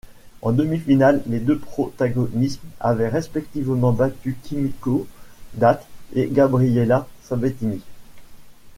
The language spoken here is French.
En demi-finale, les deux protagonistes avaient respectivement battu Kimiko Date et Gabriela Sabatini.